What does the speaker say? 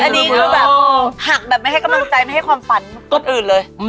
อันนี้คือแบบหักแบบไม่ให้กำลังใจไม่ให้ความฝันคนอื่นเลย